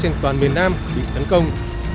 các căn cứ trên toàn miền nam bị thấn công